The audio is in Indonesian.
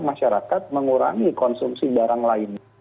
masyarakat mengurangi konsumsi barang lain